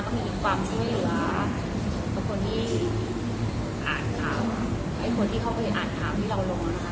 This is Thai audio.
ก็มีความช่วยหรือคนที่อ่านถามที่เราลอง